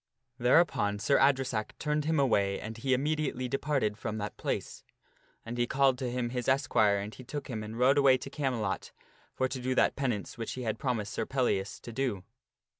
Thereupon Sir Adresack turned him away and he immediately departed from that place. And he called to him his esquire and he took him and rode away to Camelot for to do that penance which he had promised Sir Pellias to do.